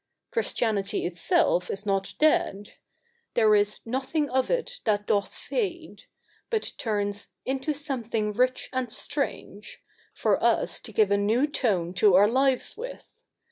Christianity itself is not dead. There is " nothing of it that doth fade," but turns " into something rich and strange," for us to give a new tone to our lives with.